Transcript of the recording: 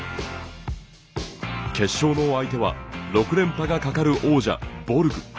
決勝の相手は６連覇が懸かる王者・ボルグ。